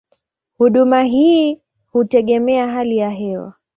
Huduma hii hutegemea hali ya hewa.